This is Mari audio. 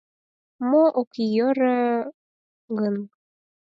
Мо ок йӧрӧ гын?